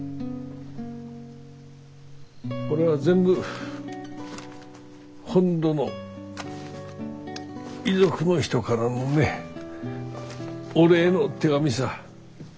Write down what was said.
これは全部本土の遺族の人からのねお礼の手紙さ。